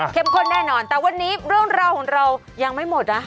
ข้นแน่นอนแต่วันนี้เรื่องราวของเรายังไม่หมดนะ